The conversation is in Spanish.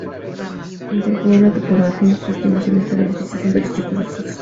Incorporó la topografía en sus estimaciones para edificios en varios tipos de sitios.